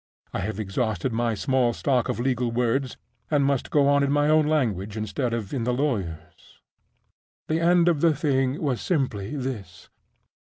I have exhausted my small stock of legal words, and must go on in my own language instead of in the lawyer's. The end of the thing was simply this.